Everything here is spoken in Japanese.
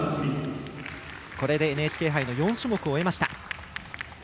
これでＮＨＫ杯の４種目終えました。